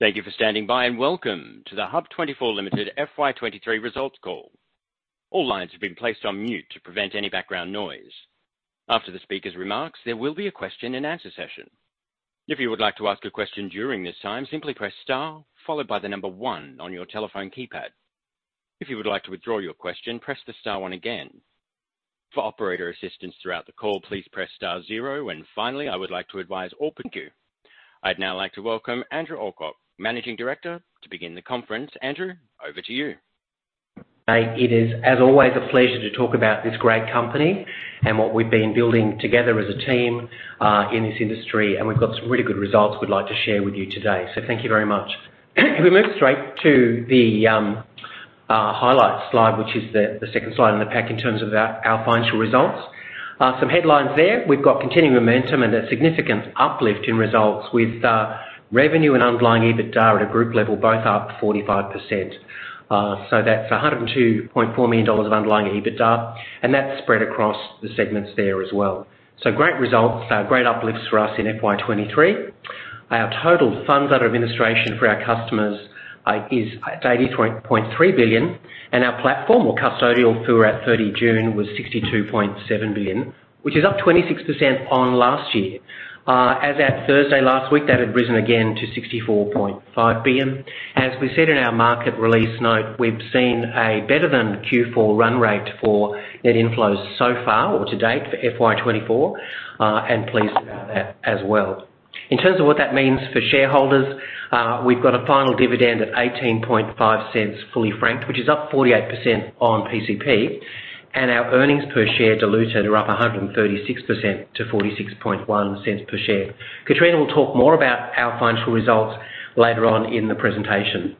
Thank you for standing by, welcome to the HUB24 Limited FY23 results call. All lines have been placed on mute to prevent any background noise. After the speaker's remarks, there will be a question-and-answer session. If you would like to ask a question during this time, simply press star, followed by the number one on your telephone keypad. If you would like to withdraw your question, press the star one again. For operator assistance throughout the call, please press star zero, and finally, I would like to advise all... Thank you. I'd now like to welcome Andrew Alcock, Managing Director, to begin the conference. Andrew, over to you. It is, as always, a pleasure to talk about this great company and what we've been building together as a team in this industry. We've got some really good results we'd like to share with you today. Thank you very much. If we move straight to the highlight slide, which is the 2nd slide on the pack in terms of our financial results. Some headlines there. We've got continuing momentum and a significant uplift in results with revenue and underlying EBITDA at a group level, both up 45%. That's 102.4 million dollars of underlying EBITDA. That's spread across the segments there as well. Great results, great uplifts for us in FY23. Our total Funds Under Administration for our customers is 83.3 billion, and our platform or custodial FUA at 30 June was 62.7 billion, which is up 26% on last year. As at Thursday last week, that had risen again to 64.5 billion. As we said in our market release note, we've seen a better than Q4 run rate for net inflows so far or to date for FY24, pleased about that as well. In terms of what that means for shareholders, we've got a final dividend at 0.185, fully franked, which is up 48% on PCP, and our earnings per share diluted are up 136% to 0.461 per share. Kitrina will talk more about our financial results later on in the presentation.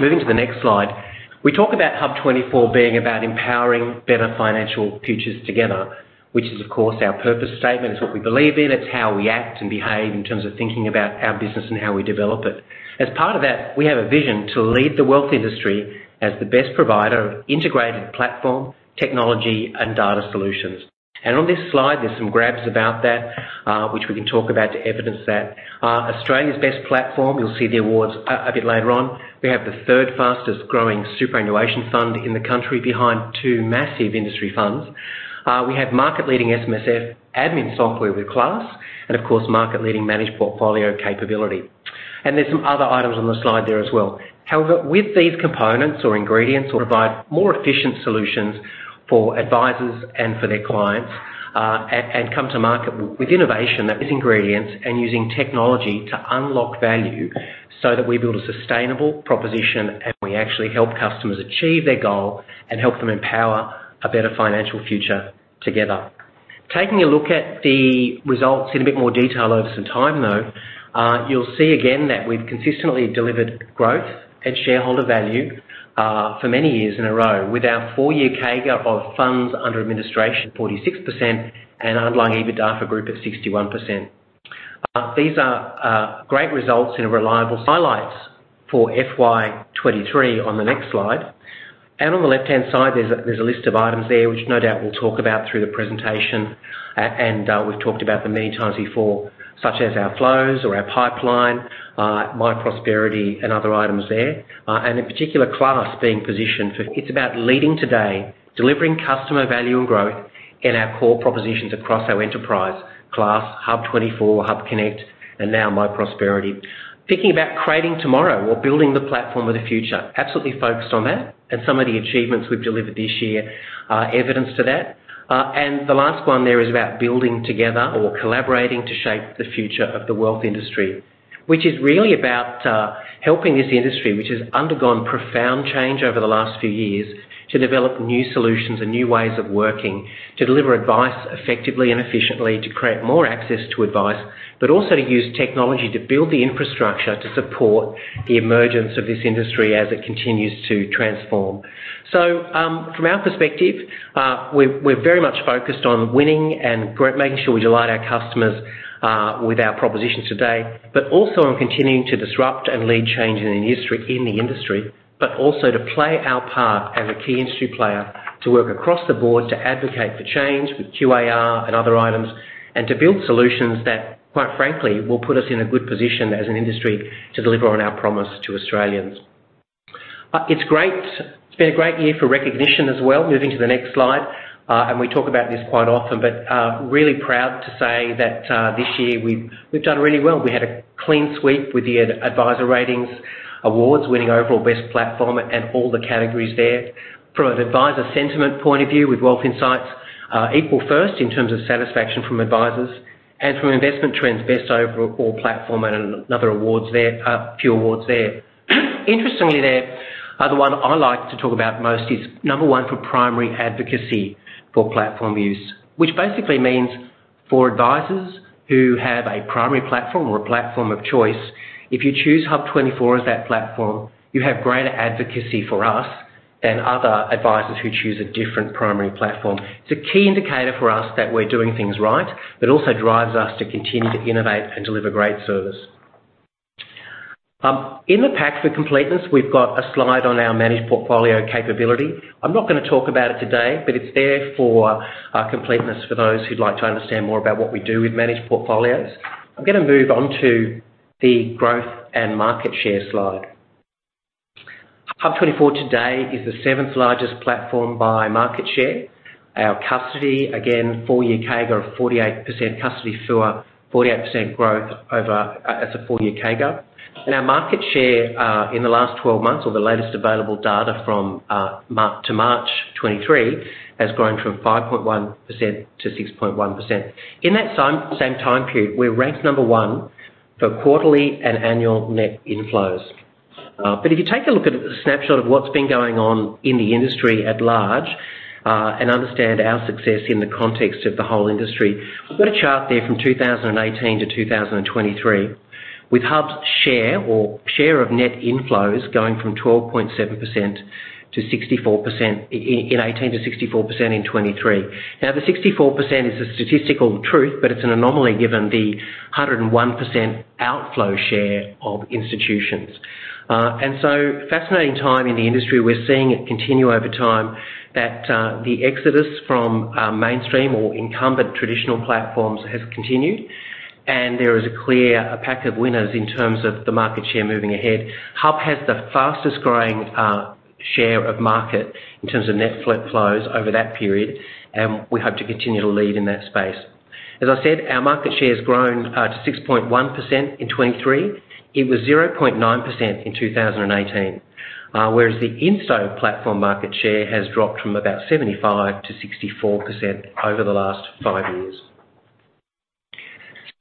Moving to the next slide, we talk about HUB24 being about empowering better financial futures together, which is, of course, our purpose statement. It's what we believe in. It's how we act and behave in terms of thinking about our business and how we develop it. As part of that, we have a vision to lead the wealth industry as the best provider of integrated platform, technology, and data solutions. On this slide, there's some graphs about that, which we can talk about to evidence that. Australia's best platform, you'll see the awards a bit later on. We have the third fastest growing superannuation fund in the country behind two massive industry funds. We have market-leading SMSF admin software with Class, and of course, market-leading managed portfolio capability. There's some other items on the slide there as well. With these components or ingredients, or provide more efficient solutions for advisors and for their clients, and, and come to market with innovation, that is ingredients, and using technology to unlock value so that we build a sustainable proposition, and we actually help customers achieve their goal and help them empower a better financial future together. Taking a look at the results in a bit more detail over some time, though, you'll see again that we've consistently delivered growth and shareholder value for many years in a row. With our four-year CAGR of funds under administration, 46%, and underlying EBITDA for group of 61%. These are great results in a reliable... Highlights for FY23 on the next slide. On the left-hand side, there's a, there's a list of items there, which no doubt we'll talk about through the presentation. We've talked about them many times before, such as our flows or our pipeline, Myprosperity and other items there, and in particular, Class being positioned for. It's about leading today, delivering customer value and growth in our core propositions across our enterprise: Class, HUB24, HUBconnect, and now Myprosperity. Thinking about creating tomorrow or building the platform of the future, absolutely focused on that, and some of the achievements we've delivered this year are evidence to that. The last one there is about building together or collaborating to shape the future of the wealth industry, which is really about helping this industry, which has undergone profound change over the last few years, to develop new solutions and new ways of working, to deliver advice effectively and efficiently, to create more access to advice, but also to use technology to build the infrastructure to support the emergence of this industry as it continues to transform. From our perspective, we're very much focused on winning and making sure we delight our customers with our propositions today, but also on continuing to disrupt and lead change in the industry, in the industry, but also to play our part as a key industry player, to work across the board, to advocate for change with QAR and other items, and to build solutions that, quite frankly, will put us in a good position as an industry to deliver on our promise to Australians. It's great. It's been a great year for recognition as well. Moving to the next slide. We talk about this quite often. Really proud to say that this year we've done really well. We had a clean sweep with the Adviser Ratings Awards, winning overall best platform and all the categories there. From an adviser sentiment point of view, with Wealth Insights, equal first in terms of satisfaction from advisers and from Investment Trends, best overall platform and other awards there, few awards there. Interestingly, there, the number one I like to talk about most is number 1 for primary advocacy for platform use, which basically means for advisers who have a primary platform or a platform of choice, if you choose HUB24 as that platform, you have greater advocacy for us than other advisers who choose a different primary platform. It's a key indicator for us that we're doing things right, but also drives us to continue to innovate and deliver great service. In the pack for completeness, we've got a slide on our managed portfolio capability. I'm not gonna talk about it today, but it's there for completeness for those who'd like to understand more about what we do with managed portfolios. I'm gonna move on to the growth and market share slide. HUB24 today is the seventh largest platform by market share. Our custody, again, four-year CAGR of 48%, custody FUA, 48% growth over as a four-year CAGR. Our market share, in the last 12 months, or the latest available data from to March 2023, has grown from 5.1% to 6.1%. In that same, same time period, we're ranked 1 for quarterly and annual net inflows. If you take a look at a snapshot of what's been going on in the industry at large and understand our success in the context of the whole industry, I've got a chart there from 2018 to 2023, with HUB's share or share of net inflows going from 12.7% to 64% in 2023. The 64% is a statistical truth, but it's an anomaly given the 101% outflow share of institutions. Fascinating time in the industry, we're seeing it continue over time, that the exodus from mainstream or incumbent traditional platforms has continued, and there is a clear pack of winners in terms of the market share moving ahead. HUB24 has the fastest growing share of market in terms of net inflows over that period, we hope to continue to lead in that space. As I said, our market share has grown to 6.1% in 2023. It was 0.9% in 2018. Whereas the insto platform market share has dropped from about 75% to 64% over the last five years.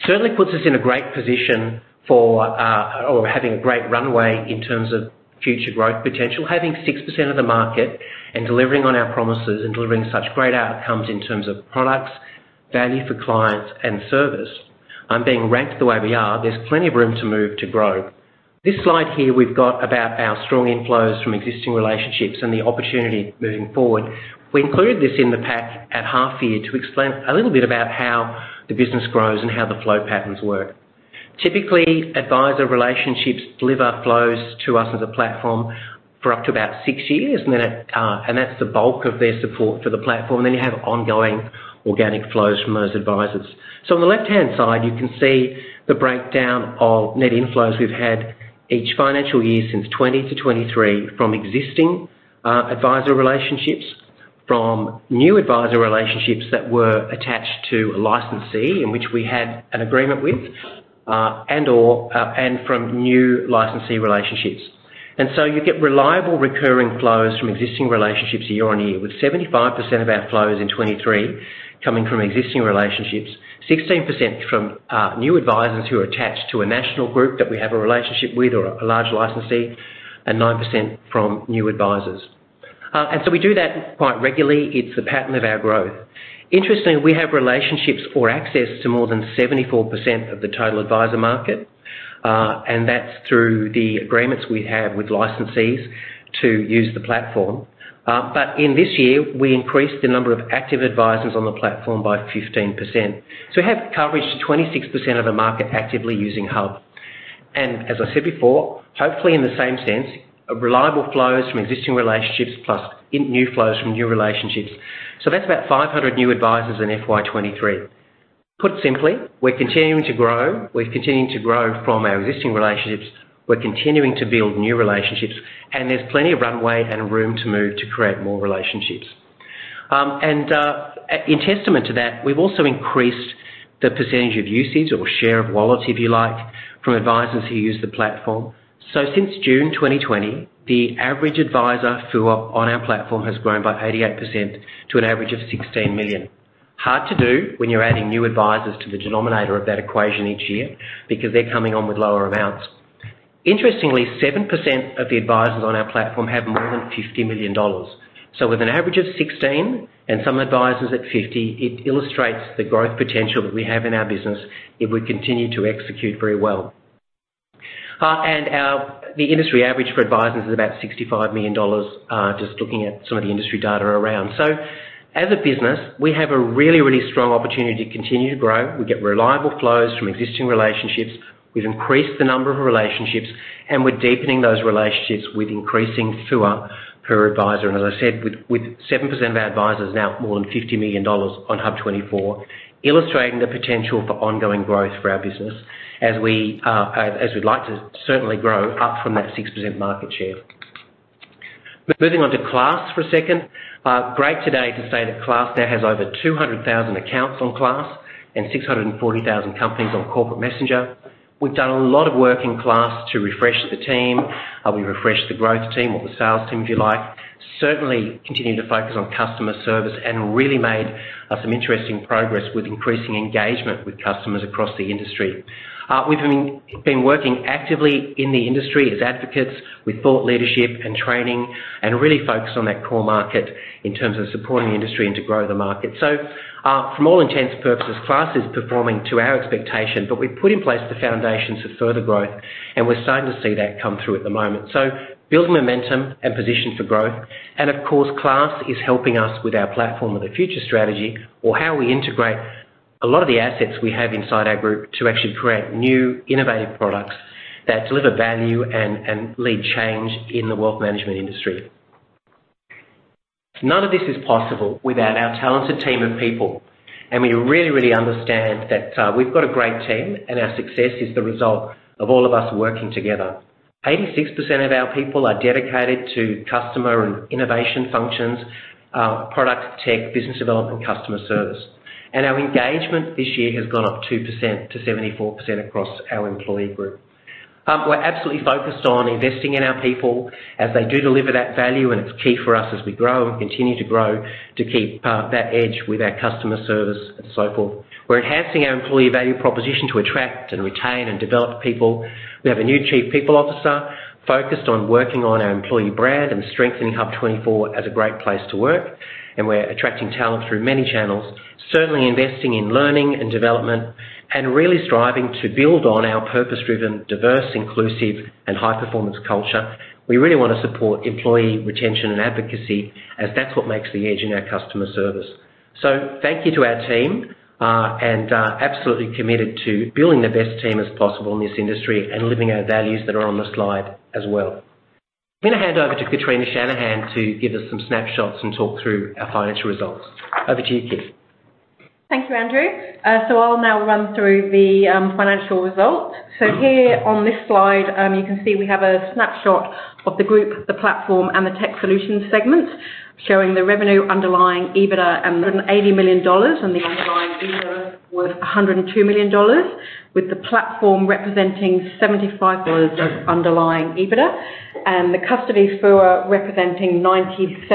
Certainly puts us in a great position for or having a great runway in terms of future growth potential. Having 6% of the market and delivering on our promises, and delivering such great outcomes in terms of products, value for clients, and service, and being ranked the way we are, there's plenty of room to move to grow. This slide here, we've got about our strong inflows from existing relationships and the opportunity moving forward. We included this in the pack at half year to explain a little bit about how the business grows and how the flow patterns work. Typically, advisor relationships deliver flows to us as a platform for up to about six years, and then it, and that's the bulk of their support for the platform. You have ongoing organic flows from those advisors. On the left-hand side, you can see the breakdown of net inflows we've had each financial year since 2020 to 2023, from existing advisor relationships, from new advisor relationships that were attached to a licensee, in which we had an agreement with, and/or, and from new licensee relationships. You get reliable recurring flows from existing relationships year on year, with 75% of our flows in 2023 coming from existing relationships, 16% from new advisors who are attached to a national group that we have a relationship with or a large licensee, and 9% from new advisors. We do that quite regularly. It's the pattern of our growth. Interestingly, we have relationships or access to more than 74% of the total advisor market, and that's through the agreements we have with licensees to use the platform. In this year, we increased the number of active advisors on the platform by 15%. We have coverage to 26% of the market actively using HUB. As I said before, hopefully in the same sense, reliable flows from existing relationships plus new flows from new relationships. That's about 500 new advisors in FY23. Put simply, we're continuing to grow. We're continuing to grow from our existing relationships, we're continuing to build new relationships, and there's plenty of runway and room to move to create more relationships. And in testament to that, we've also increased the percentage of usage or share of wallet, if you like, from advisors who use the platform. Since June 2020, the average advisor FUA on our platform has grown by 88% to an average of 16 million. Hard to do when you're adding new advisors to the denominator of that equation each year, because they're coming on with lower amounts. Interestingly, 7% of the advisors on our platform have more than 50 million dollars. With an average of 16 and some advisors at 50, it illustrates the growth potential that we have in our business if we continue to execute very well. The industry average for advisors is about AUD 65 million, just looking at some of the industry data around. As a business, we have a really, really strong opportunity to continue to grow. We get reliable flows from existing relationships. We've increased the number of relationships, and we're deepening those relationships with increasing FUA per advisor. As I said, with, with 7% of our advisors now more than 50 million dollars on HUB24, illustrating the potential for ongoing growth for our business as we as we'd like to certainly grow up from that 6% market share. Moving on to Class for a second. Great today to say that Class now has over 200,000 accounts on Class and 640,000 companies on Corporate Messenger. We've done a lot of work in Class to refresh the team. We refreshed the growth team or the sales team, if you like. Certainly continuing to focus on customer service, and really made some interesting progress with increasing engagement with customers across the industry. We've been working actively in the industry as advocates with thought leadership and training, and really focused on that core market in terms of supporting the industry and to grow the market. From all intents and purposes, Class is performing to our expectation, but we've put in place the foundations for further growth, and we're starting to see that come through at the moment. Building momentum and position for growth, and of course, Class is helping us with our platform of the future strategy or how we integrate a lot of the assets we have inside our group to actually create new innovative products that deliver value and, and lead change in the wealth management industry. None of this is possible without our talented team of people, and we really, really understand that, we've got a great team, and our success is the result of all of us working together. 86% of our people are dedicated to customer and innovation functions, product tech, business development, customer service, and our engagement this year has gone up 2% to 74% across our employee group. We're absolutely focused on investing in our people as they do deliver that value, and it's key for us as we grow and continue to grow, to keep that edge with our customer service and so forth. We're enhancing our employee value proposition to attract and retain, and develop people. We have a new chief people officer, focused on working on our employee brand and strengthening HUB24 as a great place to work, and we're attracting talent through many channels, certainly investing in learning and development, and really striving to build on our purpose-driven, diverse, inclusive, and high-performance culture. We really want to support employee retention and advocacy, as that's what makes the edge in our customer service. Thank you to our team, and absolutely committed to building the best team as possible in this industry and living our values that are on the slide as well. I'm going to hand over to Kitrina Shanahan, to give us some snapshots and talk through our financial results. Over to you, Kat. Thank you, Andrew. I'll now run through the financial results. Here on this slide, you can see we have a snapshot of the group, the platform, and the tech solutions segment, showing the revenue underlying EBITDA and 80 million dollars, and the underlying EBITDA worth 102 million dollars, with the platform representing 75 dollars of underlying EBITDA, and the custody FUA representing 97%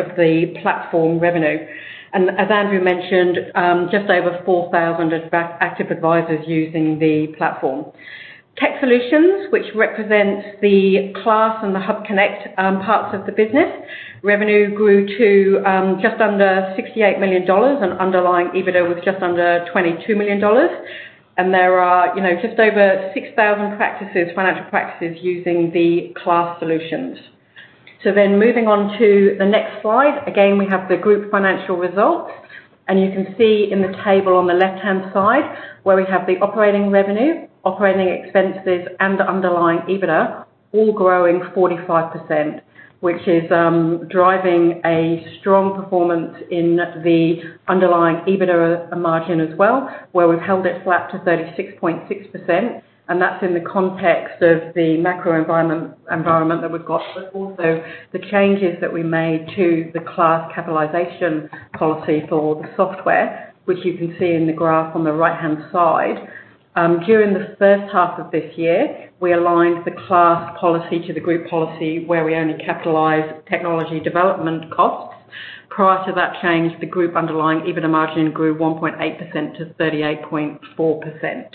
of the platform revenue. As Andrew mentioned, just over 4,000 of active advisors using the platform. Tech solutions, which represents the Class and the HUBconnect parts of the business. Revenue grew to just under 68 million dollars, underlying EBITDA was just under 22 million dollars. There are, you know, just over 6,000 practices, financial practices using the Class solutions. Moving on to the next slide. Again, we have the group financial results. You can see in the table on the left-hand side, where we have the operating revenue, operating expenses, and the underlying EBITDA, all growing 45%, which is driving a strong performance in the underlying EBITDA margin as well, where we've held it flat to 36.6%. That's in the context of the macro environment, environment that we've got, but also the changes that we made to the Class capitalization policy for the software, which you can see in the graph on the right-hand side. During the first half of this year, we aligned the Class policy to the group policy, where we only capitalize technology development costs. Prior to that change, the group underlying EBITDA margin grew 1.8% to 38.4%.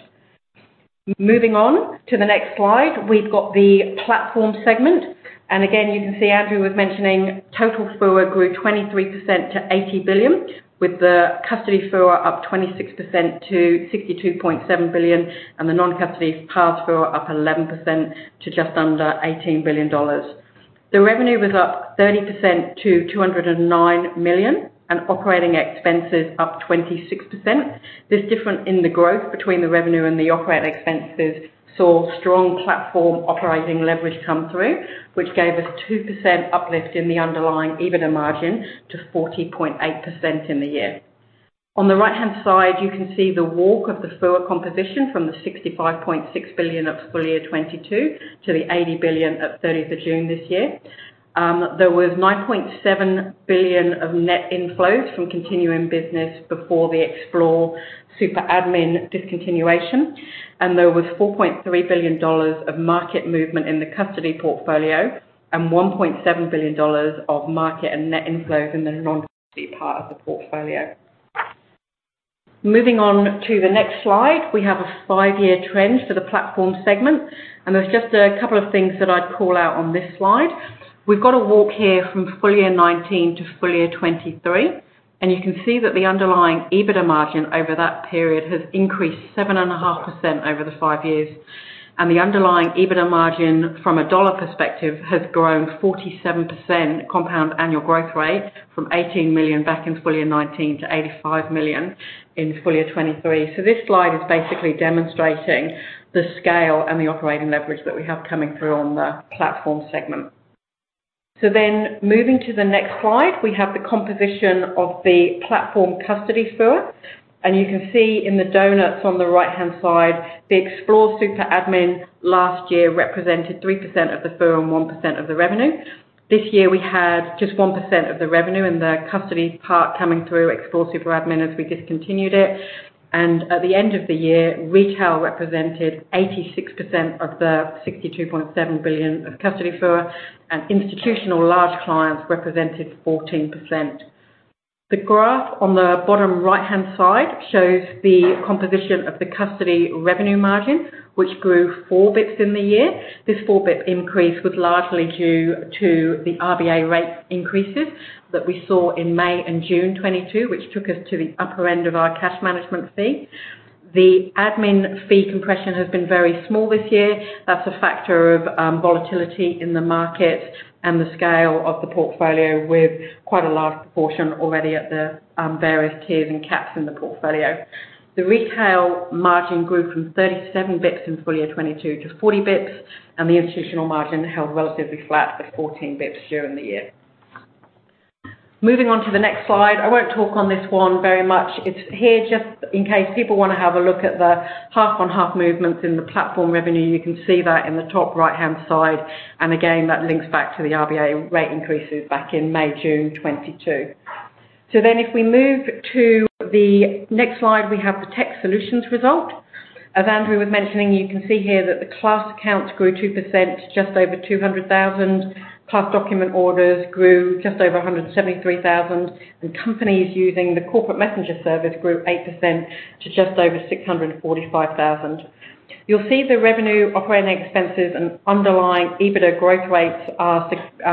Moving on to the next slide, we've got the platform segment. Again, you can see Andrew was mentioning total FUA grew 23% to 80 billion, with the custody FUA up 26% to 62.7 billion, the non-custody PARS FUA up 11% to just under 18 billion dollars. The revenue was up 30% to 209 million, operating expenses up 26%. This difference in the growth between the revenue and the operating expenses, saw strong platform operating leverage come through, which gave us 2% uplift in the underlying EBITDA margin to 40.8% in the year. On the right-hand side, you can see the walk of the FUA composition from the 65.6 billion of full year 2022 to the 80 billion at 30th of June this year. There was 9.7 billion of net inflows from continuing business before the Xplore Super Admin discontinuation, and there was 4.3 billion dollars of market movement in the custody portfolio and 1.7 billion dollars of market and net inflows in the non-custody part of the portfolio. Moving on to the next slide, we have a five-year trend for the platform segment, and there's just a couple of things that I'd call out on this slide. We've got a walk here from FY19 to FY23, and you can see that the underlying EBITDA margin over that period has increased 7.5% over the five years. The underlying EBITDA margin from a dollar perspective, has grown 47% CAGR from 18 million back in FY19 to 85 million in FY23. This slide is basically demonstrating the scale and the operating leverage that we have coming through on the platform segment. Moving to the next slide, we have the composition of the platform custody FUA, and you can see in the donuts on the right-hand side, the Xplore Super Admin last year represented 3% of the FUA and 1% of the revenue. This year, we had just 1% of the revenue and the custody part coming through Xplore Super Admin as we discontinued it. At the end of the year, retail represented 86% of the 62.7 billion of custody FUA and institutional large clients represented 14%. The graph on the bottom right-hand side shows the composition of the custody revenue margin, which grew 4 bits in the year. This 4-bit increase was largely due to the RBA rate increases that we saw in May and June 2022, which took us to the upper end of our cash management fee. The admin fee compression has been very small this year. That's a factor of volatility in the market and the scale of the portfolio, with quite a large portion already at the various tiers and caps in the portfolio. The retail margin grew from 37 basis points in full year 2022 to 40 basis points, and the institutional margin held relatively flat at 14 basis points during the year. Moving on to the next slide. I won't talk on this one very much. It's here just in case people want to have a look at the half-on-half movements in the platform revenue. You can see that in the top right-hand side. Again, that links back to the RBA rate increases back in May, June 2022. If we move to the next slide, we have the tech solutions result. As Andrew was mentioning, you can see here that the Class accounts grew 2%, just over 200,000. Class document orders grew just over 173,000. Companies using the Corporate Messenger service grew 8% to just over 645,000. You'll see the revenue, operating expenses, and underlying EBITDA growth rates are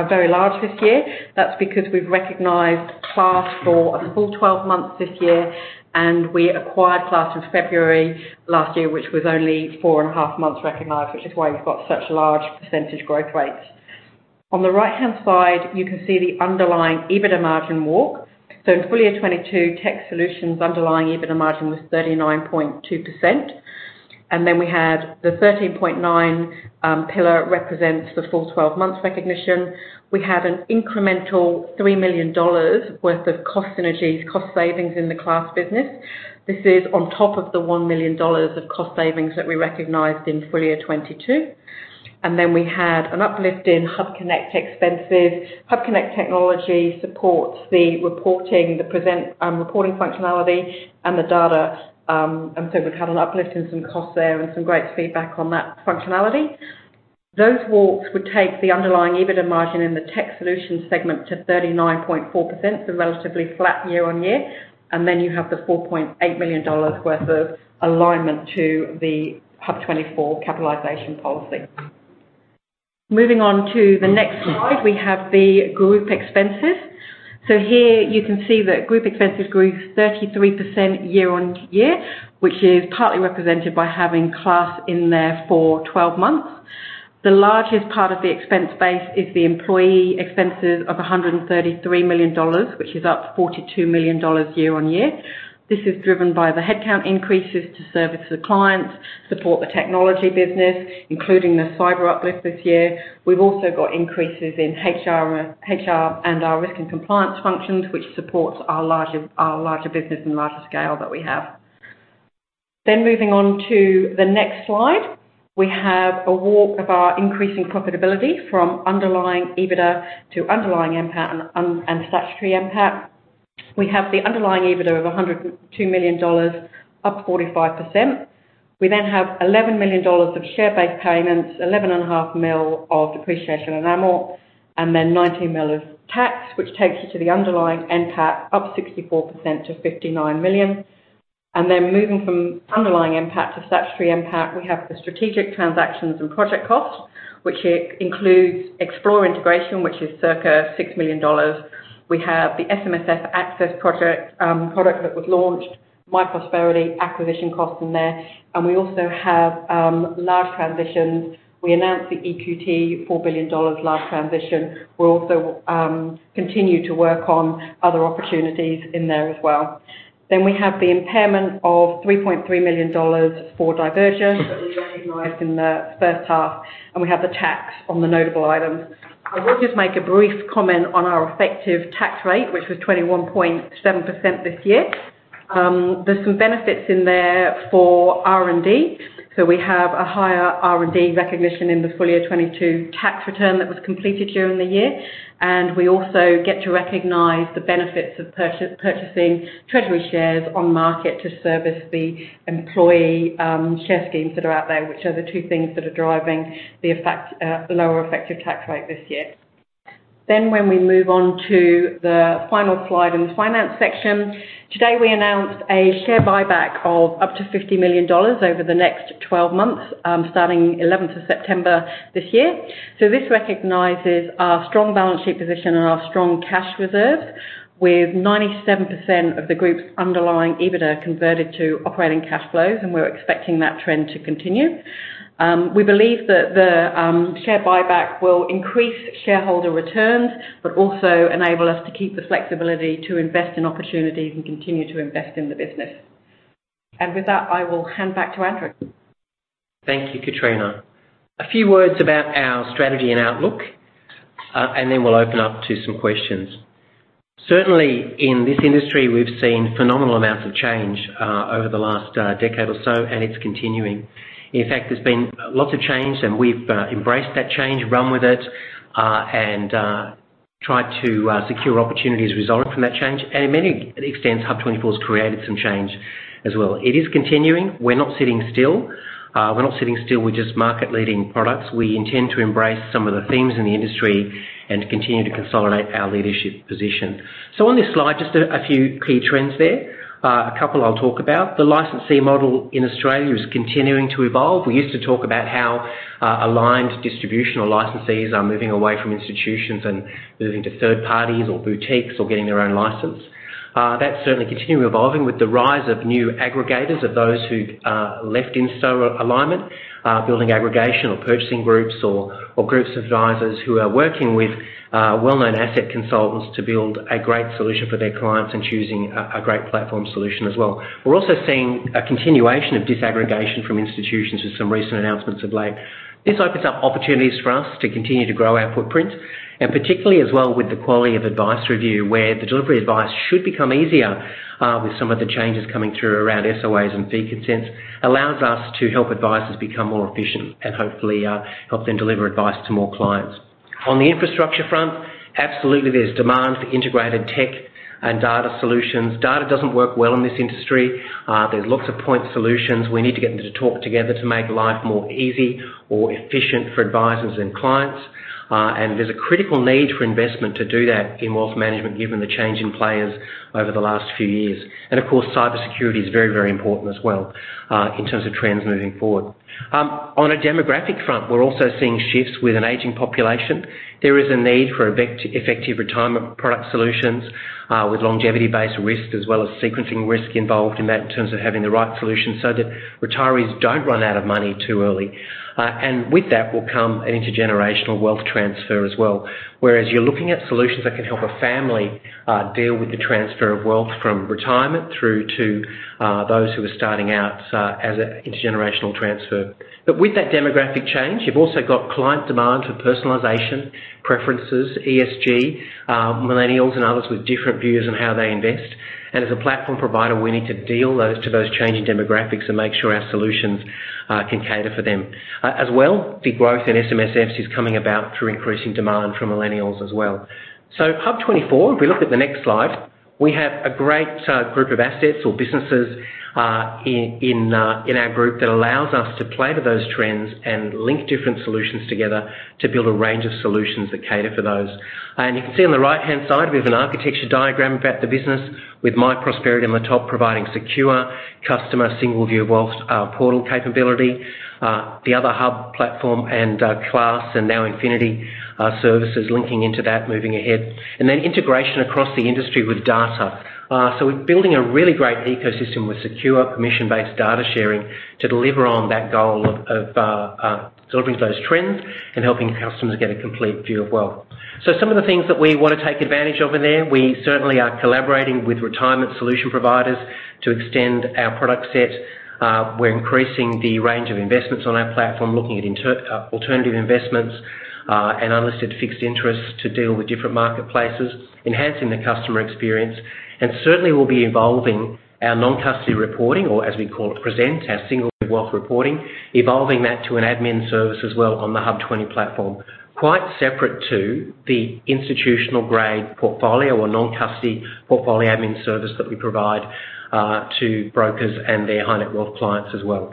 very large this year. That's because we've recognized Class for a full 12 months this year, and we acquired Class in February last year, which was only 4.5 months recognized, which is why we've got such large percentage growth rates. On the right-hand side, you can see the underlying EBITDA margin walk. In full year 2022, tech solutions' underlying EBITDA margin was 39.2%, and then we had the 13.9 pillar represents the full 12 months recognition. We have an incremental 3 million dollars worth of cost synergies, cost savings in the Class business. This is on top of the 1 million dollars of cost savings that we recognized in full year 2022. We had an uplift in HUBconnect expenses. HUBconnect Technology supports the reporting, the Present, reporting functionality and the data, and so we've had an uplift in some costs there and some great feedback on that functionality. Those walks would take the underlying EBITDA margin in the tech solutions segment to 39.4%, so relatively flat year-on-year, and then you have the 4.8 million dollars worth of alignment to the HUB24 ca pitalization policy. Moving on to the next slide, we have the group expenses. Here you can see that group expenses grew 33% year-on-year, which is partly represented by having Class in there for 12 months. The largest part of the expense base is the employee expenses of 133 million dollars, which is up 42 million dollars year-on-year. This is driven by the headcount increases to service the clients, support the technology business, including the cyber uplift this year. We've also got increases in HR, HR and our risk and compliance functions, which supports our larger, our larger business and larger scale that we have. Moving on to the next slide, we have a walk of our increasing profitability from underlying EBITDA to underlying NPAT and, and statutory NPAT. We have the underlying EBITDA of 102 million dollars, up 45%. We then have 11 million dollars of share-based payments, 11.5 million of depreciation and amort, and then 19 million of tax, which takes you to the underlying NPAT, up 64% to 59 million. Moving from underlying NPAT to statutory NPAT, we have the strategic transactions and project costs, which includes Xplore integration, which is circa 6 million dollars. We have the SMSF Access project, product that was launched, Myprosperity acquisition costs in there. We also have large transitions. We announced the EQT 4 billion dollars large transition. We'll also continue to work on other opportunities in there as well. We have the impairment of 3.3 million dollars for Diverger that we recognized in the first half. We have the tax on the notable items. I will just make a brief comment on our effective tax rate, which was 21.7% this year. There's some benefits in there for R&D. We have a higher R&D recognition in the full year 2022 tax return that was completed during the year, and we also get to recognize the benefits of purchasing treasury shares on market to service the employee share schemes that are out there, which are the two things that are driving the effect, the lower effective tax rate this year. When we move on to the final slide in the finance section, today, we announced a share buyback of up to 50 million dollars over the next 12 months, starting 11th of September this year. This recognizes our strong balance sheet position and our strong cash reserve, with 97% of the group's underlying EBITDA converted to operating cash flows, and we're expecting that trend to continue. We believe that the share buyback will increase shareholder returns, but also enable us to keep the flexibility to invest in opportunities and continue to invest in the business. With that, I will hand back to Andrew. Thank you, Kitrina. A few words about our strategy and outlook, then we'll open up to some questions. Certainly, in this industry, we've seen phenomenal amounts of change over the last decade or so, and it's continuing. In fact, there's been lots of change, and we've embraced that change, run with it, and tried to secure opportunities resulting from that change. In many extents, HUB24 has created some change as well. It is continuing. We're not sitting still. We're not sitting still with just market-leading products. We intend to embrace some of the themes in the industry and continue to consolidate our leadership position. On this slide, just a few key trends there. A couple I'll talk about. The licensee model in Australia is continuing to evolve. We used to talk about how aligned distribution or licensees are moving away from institutions and moving to third parties or boutiques or getting their own license. That's certainly continuing evolving with the rise of new aggregators, of those who left in alignment, building aggregation or purchasing groups or, or groups of advisors who are working with well-known asset consultants to build a great solution for their clients, and choosing a great platform solution as well. We're also seeing a continuation of disaggregation from institutions with some recent announcements of late. This opens up opportunities for us to continue to grow our footprint, and particularly as well with the Quality of Advice Review, where the delivery of advice should become easier, with some of the changes coming through around SOAs and fee consents, allows us to help advisors become more efficient and hopefully, help them deliver advice to more clients. On the infrastructure front, absolutely, there's demand for integrated tech and data solutions. Data doesn't work well in this industry. There's lots of point solutions. We need to get them to talk together to make life more easy or efficient for advisors and clients. There's a critical need for investment to do that in wealth management, given the change in players over the last few years. Of course, cybersecurity is very, very important as well, in terms of trends moving forward. On a demographic front, we're also seeing shifts with an aging population. There is a need for effective retirement product solutions, with longevity-based risk, as well as sequencing risk involved in that, in terms of having the right solution so that retirees don't run out of money too early. With that will come an intergenerational wealth transfer as well, whereas you're looking at solutions that can help a family deal with the transfer of wealth from retirement through to those who are starting out as a intergenerational transfer. With that demographic change, you've also got client demand for personalization, preferences, ESG, millennials and others with different views on how they invest. As a platform provider, we need to deal those, to those changing demographics and make sure our solutions can cater for them. As well, the growth in SMSFs is coming about through increasing demand from millennials as well. HUB24, if we look at the next slide, we have a great group of assets or businesses in our group that allows us to play to those trends and link different solutions together to build a range of solutions that cater for those. You can see on the right-hand side, we have an architecture diagram about the business with Myprosperity on the top, providing secure customer single view of wealth portal capability. The other HUB platform and Class, and NowInfinity services linking into that, moving ahead. Then integration across the industry with data. We're building a really great ecosystem with secure, permission-based data sharing to deliver on that goal of delivering to those trends and helping customers get a complete view of wealth. Some of the things that we want to take advantage of in there, we certainly are collaborating with retirement solution providers to extend our product set. We're increasing the range of investments on our platform, looking at alternative investments and unlisted fixed interests to deal with different marketplaces, enhancing the customer experience. Certainly, we'll be evolving our non-custody reporting, or as we call it, Present, our single wealth reporting, evolving that to an admin service as well on the HUB24 platform. Quite separate to the institutional-grade portfolio or non-custody portfolio admin service that we provide to brokers and their high-net wealth clients as well.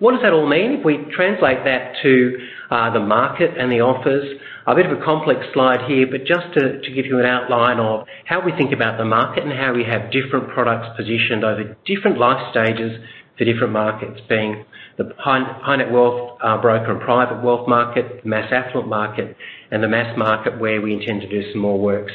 What does that all mean? If we translate that to the market and the offers, a bit of a complex slide here, but just to, to give you an outline of how we think about the market and how we have different products positioned over different life stages for different markets, being the high net- high net wealth, broker, and private wealth market, mass affluent market, and the mass market, where we intend to do some more work.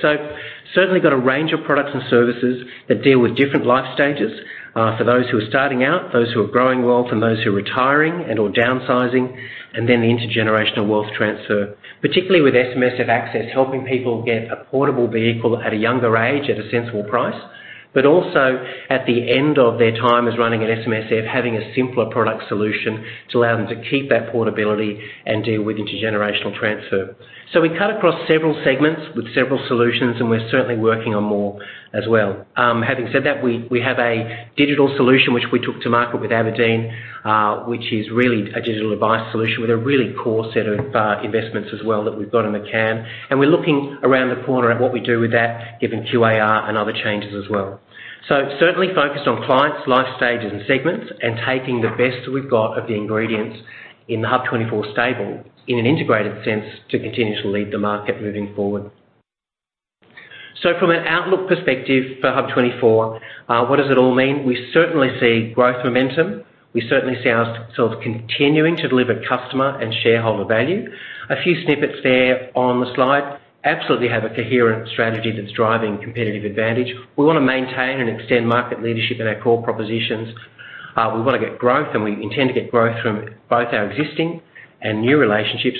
Certainly got a range of products and services that deal with different life stages for those who are starting out, those who are growing well, from those who are retiring and/or downsizing, and then the intergenerational wealth transfer, particularly with SMSF Access, helping people get a portable vehicle at a younger age, at a sensible price. Also, at the end of their time as running an SMSF, having a simpler product solution to allow them to keep that portability and deal with intergenerational transfer. We cut across several segments with several solutions, and we're certainly working on more as well. Having said that, we, we have a digital solution which we took to market with abrdn, which is really a digital advice solution with a really core set of investments as well that we've got in the can. We're looking around the corner at what we do with that, given QAR and other changes as well. Certainly focused on clients, life stages, and segments, and taking the best we've got of the ingredients in the HUB24 stable, in an integrated sense, to continue to lead the market moving forward. From an outlook perspective for HUB24, what does it all mean? We certainly see growth momentum. We certainly see ourselves continuing to deliver customer and shareholder value. A few snippets there on the slide. Absolutely have a coherent strategy that's driving competitive advantage. We want to maintain and extend market leadership in our core propositions. We want to get growth, and we intend to get growth from both our existing and new relationships,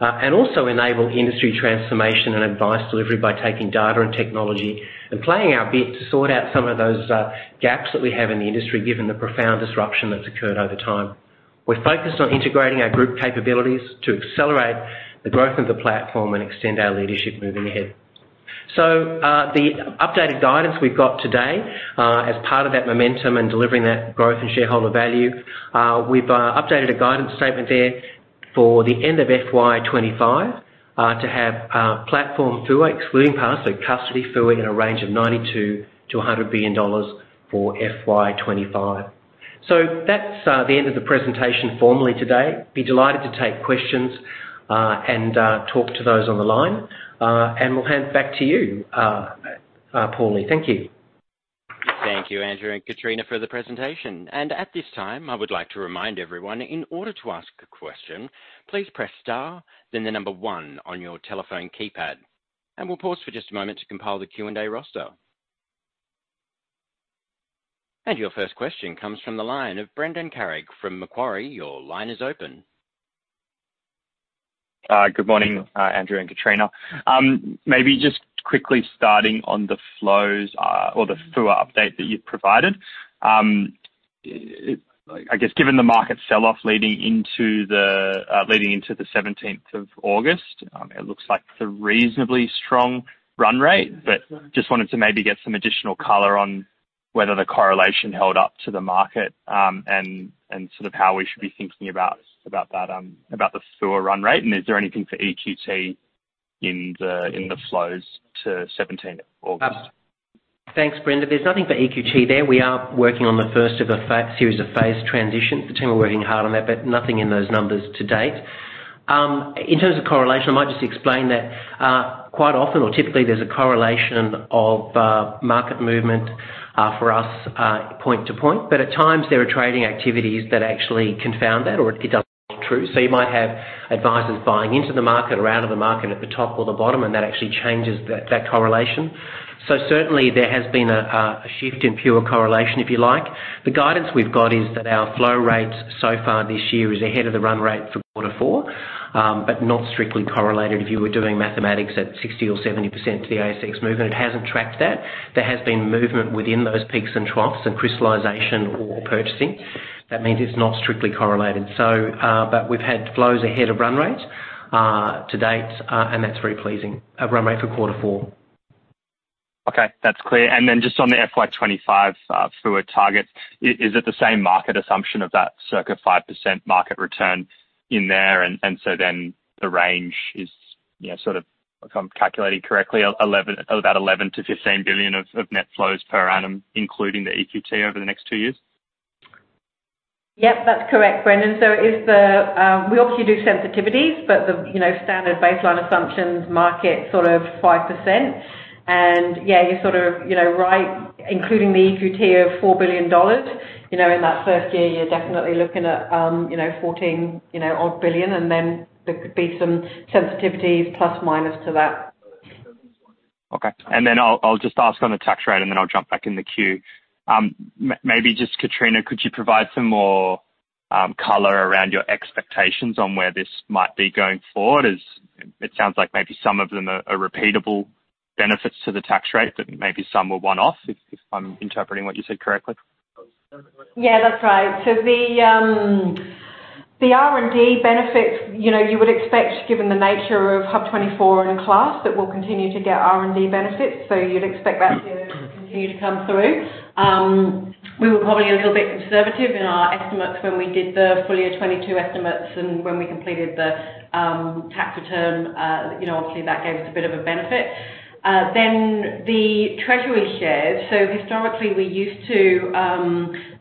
and also enable industry transformation and advice delivery by taking data and technology, and playing our bit to sort out some of those gaps that we have in the industry, given the profound disruption that's occurred over time. We're focused on integrating our group capabilities to accelerate the growth of the platform and extend our leadership moving ahead. The updated guidance we've got today, as part of that momentum and delivering that growth and shareholder value, we've updated a guidance statement there for the end of FY25, to have platform FUA, excluding PARS, so custody FUA in a range of 92 billion-100 billion dollars for FY25. That's the end of the presentation formally today. Be delighted to take questions and talk to those on the line, and we'll hand it back to you, Paul Lee. Thank you. Thank you, Andrew and Kitrina, for the presentation. At this time, I would like to remind everyone, in order to ask a question, please press star, then the number one on your telephone keypad, and we'll pause for just a moment to compile the Q&A roster. Your first question comes from the line of Brendan Carrig from Macquarie. Your line is open. Good morning, Andrew and Kitrina. Maybe just quickly starting on the flows, or the FUA update that you've provided. I, I guess, given the market sell-off leading into the leading into the 17th of August, it looks like it's a reasonably strong run rate, but just wanted to maybe get some additional color on whether the correlation held up to the market, and, and sort of how we should be thinking about, about that, about the FUA run rate. Is there anything for EQT in the, in the flows to 17th August? Thanks, Brendan. There's nothing for EQT there. We are working on the first of a series of phase transitions. The team are working hard on that. Nothing in those numbers to date. In terms of correlation, I might just explain that quite often or typically there's a correlation of market movement for us point to point. At times there are trading activities that actually confound that or it doesn't hold true. You might have advisors buying into the market or out of the market at the top or the bottom, and that actually changes that, that correlation. Certainly there has been a shift in pure correlation, if you like. The guidance we've got is that our flow rates so far this year is ahead of the run rate for quarter four, but not strictly correlated. If you were doing mathematics at 60% or 70% to the ASX movement, it hasn't tracked that. There has been movement within those peaks and troughs and crystallization or purchasing. That means it's not strictly correlated. But we've had flows ahead of run rate to date, and that's very pleasing, a run rate for quarter four. Okay, that's clear. Then just on the FY25 FUA targets, is it the same market assumption of that circa 5% market return in there, and so then the range is, you know, sort of, if I'm calculating correctly, about 11 billion-15 billion of, of net flows per annum, including the EQT over the next 2 years? Yep, that's correct, Brendan. If the, we obviously do sensitivities, but the, you know, standard baseline assumptions, market sort of 5%. Yeah, you're sort of, you know, right, including the EQT of 4 billion dollars, you know, in that first year, you're definitely looking at, 14, you know, odd billion, and then there could be some sensitivities plus, minus to that. Okay. Then I'll just ask on the tax rate, and then I'll jump back in the queue. Maybe just Kitrina, could you provide some more color around your expectations on where this might be going forward? It sounds like maybe some of them are repeatable benefits to the tax rate, but maybe some were one-off, if I'm interpreting what you said correctly. Yeah, that's right. The R&D benefits, you know, you would expect, given the nature of HUB24 and Class, that we'll continue to get R&D benefits, so you'd expect that to continue to come through. We were probably a little bit conservative in our estimates when we did the full year 2022 estimates and when we completed the tax return, you know, obviously, that gave us a bit of a benefit. Then the treasury shares. Historically, we used to,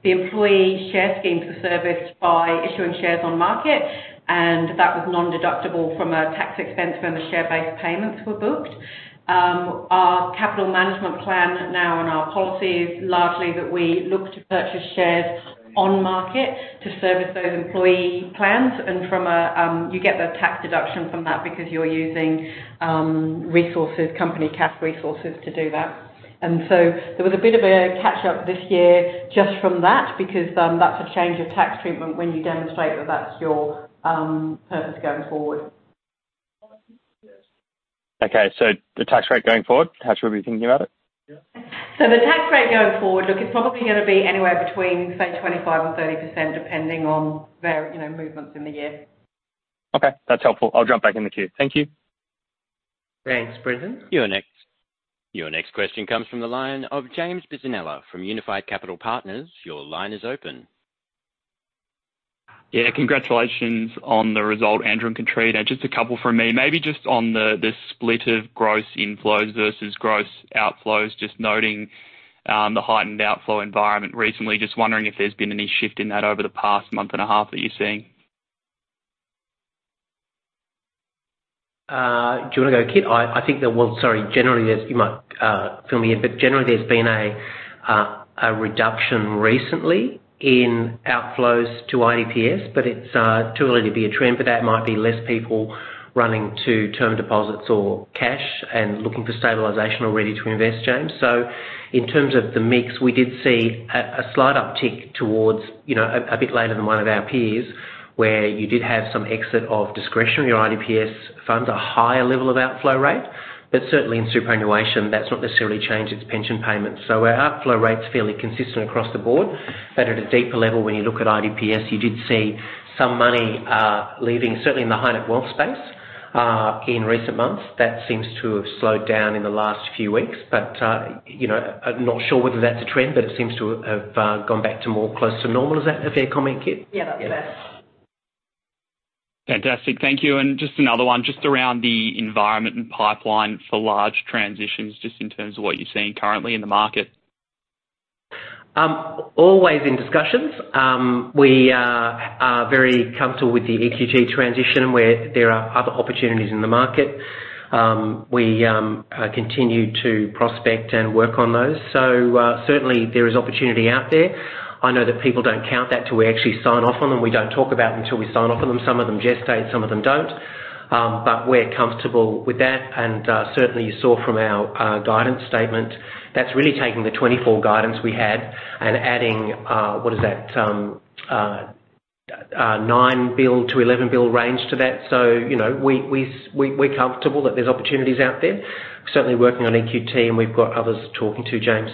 the employee share schemes were serviced by issuing shares on market, and that was nondeductible from a tax expense when the share-based payments were booked. Our capital management plan now and our policy is largely that we look to purchase shares on market to service those employee plans, and from a, you get the tax deduction from that because you're using, resources, company cap resources to do that. There was a bit of a catch-up this year just from that, because, that's a change of tax treatment when you demonstrate that that's your, purpose going forward. Okay, the tax rate going forward, how should we be thinking about it? The tax rate going forward, look, it's probably gonna be anywhere between, say, 25% and 30%, depending on various, you know, movements in the year. Okay, that's helpful. I'll jump back in the queue. Thank you. Thanks, Brendan. Your next question comes from the line of James Bisinella from Unified Capital Partners. Your line is open. Yeah, congratulations on the result, Andrew and Kitrina. Just a couple from me. Maybe just on the split of gross inflows versus gross outflows, just noting, the heightened outflow environment recently. Just wondering if there's been any shift in that over the past month and a half that you're seeing? Do you want to go, Kit? Well, sorry. Generally, there's, you might fill me in, but generally, there's been a reduction recently in outflows to IDPS, but it's too early to be a trend, but that might be less people running to term deposits or cash and looking for stabilization or ready to invest, James. In terms of the mix, we did see a slight uptick towards, you know, a bit later than one of our peers, where you did have some exit of discretionary IDPS funds, a higher level of outflow rate. Certainly in superannuation, that's not necessarily changed its pension payments. Our outflow rate's fairly consistent across the board, but at a deeper level, when you look at IDPS, you did see some money leaving, certainly in the high-net wealth space, in recent months. That seems to have slowed down in the last few weeks, but, you know, I'm not sure whether that's a trend, but it seems to have gone back to more close to normal. Is that a fair comment, Kit? Yeah, that's fair. Fantastic. Thank you. Just another one, just around the environment and pipeline for large transitions, just in terms of what you're seeing currently in the market. Always in discussions. We are very comfortable with the EQT transition, where there are other opportunities in the market. We continue to prospect and work on those. Certainly there is opportunity out there. I know that people don't count that till we actually sign off on them. We don't talk about them until we sign off on them. Some of them gestate, some of them don't. But we're comfortable with that, and certainly, you saw from our guidance statement, that's really taking the 2024 guidance we had and adding, what is that, 9 billion-11 billion range to that. We're comfortable that there's opportunities out there. Certainly working on EQT, and we've got others talking to James.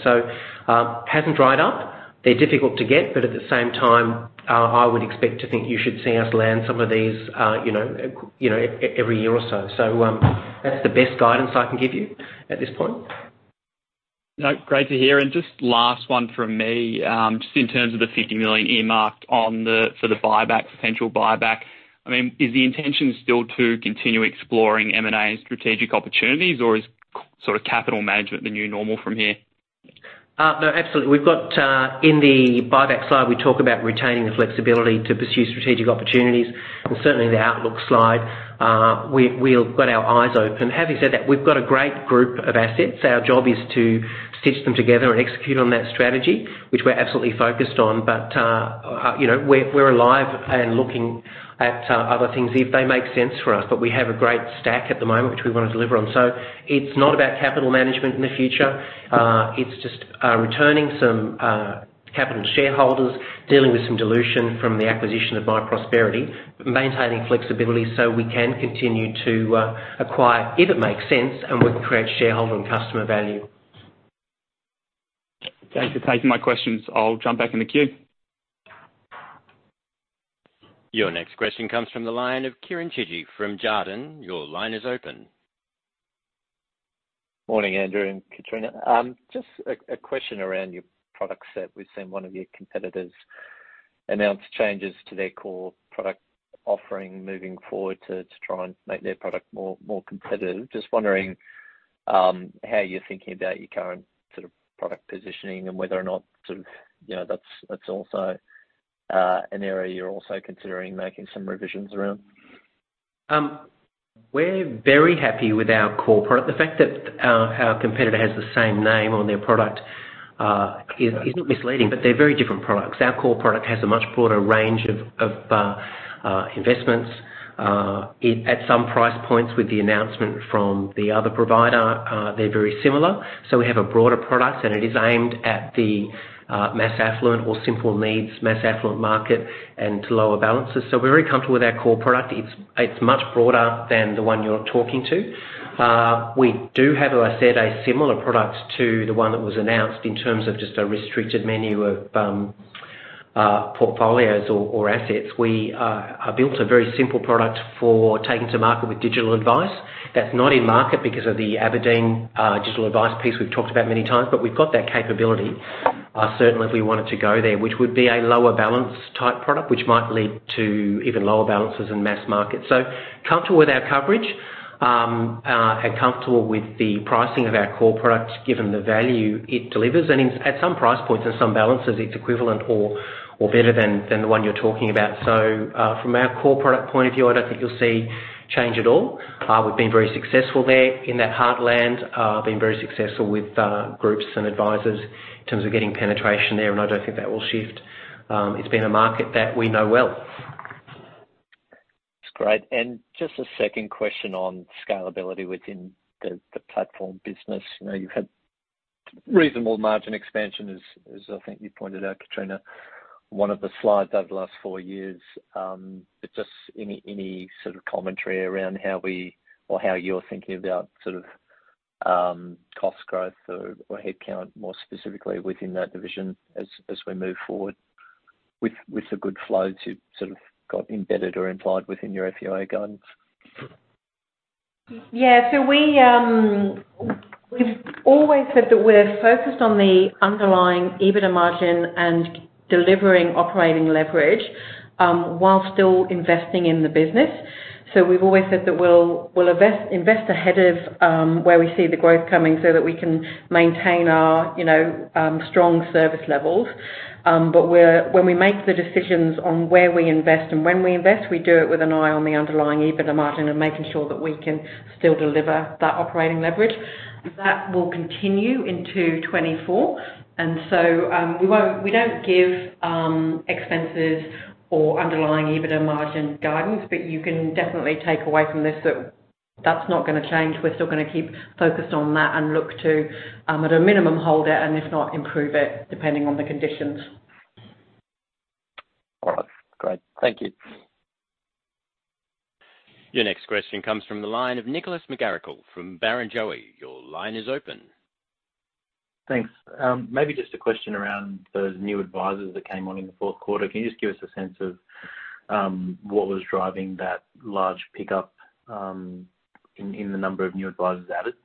Hasn't dried up. They're difficult to get, but at the same time, I would expect to think you should see us land some of these, every year or so. That's the best guidance I can give you at this point. No, great to hear. Just a last one from me. Just in terms of the 50 million earmarked for the buyback, potential buyback, I mean, is the intention still to continue exploring M&A strategic opportunities, or is sort of capital management the new normal from here? No, absolutely. In the buyback slide, we talk about retaining the flexibility to pursue strategic opportunities, and certainly the outlook slide. We've got our eyes open. Having said that, we've got a great group of assets. Our job is to stitch them together and execute on that strategy, which we're absolutely focused on, but, you know, we're alive and looking at other things if they make sense for us. We have a great stack at the moment, which we wanna deliver on. It's not about capital management in the future, it's just returning some capital shareholders, dealing with some dilution from the acquisition of Myprosperity, maintaining flexibility so we can continue to acquire, if it makes sense, and we can create shareholder and customer value. Thanks for taking my questions. I'll jump back in the queue. Your next question comes from the line of Kieren Chidgey from Jarden. Your line is open. Morning, Andrew and Kitrina. Just a, a question around your product set. We've seen one of your competitors announce changes to their core product offering moving forward to, to try and make their product more, more competitive. Just wondering, how you're thinking about your current sort of product positioning and whether or not sort of, you know, that's, that's also, an area you're also considering making some revisions around? We're very happy with our core product. The fact that our competitor has the same name on their product is not misleading, but they're very different products. Our core product has a much broader range of investments. It at some price points with the announcement from the other provider, they're very similar. We have a broader product, and it is aimed at the mass affluent or simple needs, mass affluent market and to lower balances. We're very comfortable with our core product. It's much broader than the one you're talking to. We do have, as I said, a similar product to the one that was announced in terms of just a restricted menu of portfolios or assets. We have built a very simple product for taking to market with digital advice. That's not in market because of the abrdn digital advice piece we've talked about many times. We've got that capability certainly if we wanted to go there, which would be a lower balance type product, which might lead to even lower balances in mass market. Comfortable with our coverage, comfortable with the pricing of our core products, given the value it delivers. In, at some price points and some balances, it's equivalent or better than the one you're talking about. From our core product point of view, I don't think you'll see change at all. We've been very successful there in that heartland, been very successful with groups and advisors in terms of getting penetration there. I don't think that will shift. It's been a market that we know well. That's great. Just a second question on scalability within the, the platform business. You've had reasonable margin expansion, as, as I think you pointed out, Kitrina, one of the slides over the last 4 years. But just any, any sort of commentary around how we or how you're thinking about sort of cost growth or, or headcount, more specifically within that division as, as we move forward with, with the good flows you've sort of got embedded or implied within your FUA guidance? We've always said that we're focused on the underlying EBITDA margin and delivering operating leverage, while still investing in the business. We've always said that we'll, we'll invest, invest ahead of where we see the growth coming so that we can maintain our, you know, strong service levels. When we make the decisions on where we invest and when we invest, we do it with an eye on the underlying EBITDA margin and making sure that we can still deliver that operating leverage. That will continue into 2024. We don't give expenses or underlying EBITDA margin guidance, but you can definitely take away from this, that that's not gonna change. We're still gonna keep focused on that and look to, at a minimum, hold it, and if not, improve it, depending on the conditions. All right, great. Thank you. Your next question comes from the line of Nicholas McGarrigle from Barrenjoey. Your line is open. Thanks. Maybe just a question around those new advisors that came on in the fourth quarter. Can you just give us a sense of what was driving that large pickup in, in the number of new advisors added?